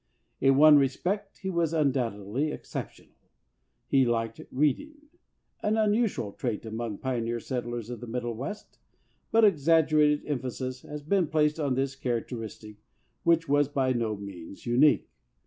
In one respect he was undoubtedly exceptional. He liked reading— an unusual trait among the pioneer settlers of the Middle West— but exag gerated emphasis has been placed on this charac 8 A MYTHICAL BIRTHRIGHT teristic, which was by no means unique.